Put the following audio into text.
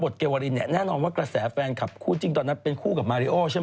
เกวรินเนี่ยแน่นอนว่ากระแสแฟนคลับคู่จริงตอนนั้นเป็นคู่กับมาริโอใช่ไหม